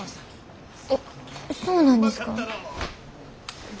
えっそうなんですか？